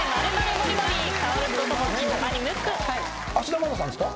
芦田愛菜さんですか？